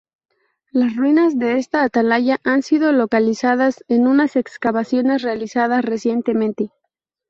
Las ruinas de esta atalaya han sido localizadas en unas excavaciones realizadas recientemente.